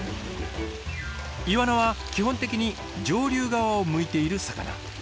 イワナは基本的に上流側を向いている魚。